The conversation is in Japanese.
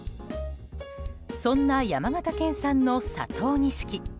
そんな山形県産の佐藤錦。